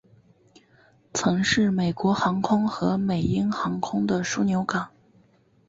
曾是美国航空和美鹰航空的枢杻港。